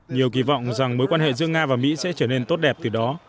nhiều kỳ vọng rằng mối quan hệ giữa nga và mỹ sẽ trở nên tốt đẹp từ đó